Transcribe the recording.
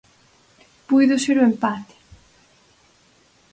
Puido ser o empate.